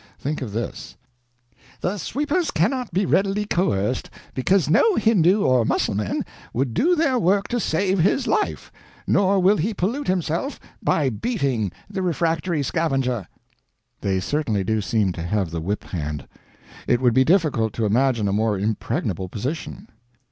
Think of this: "The sweepers cannot be readily coerced, because no Hindoo or Mussulman would do their work to save his life, nor will he pollute himself by beating the refractory scavenger." They certainly do seem to have the whip hand; it would be difficult to imagine a more impregnable position.